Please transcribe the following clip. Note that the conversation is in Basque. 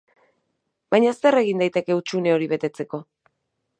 Baina zer egin daiteke hutsune hori betetzeko?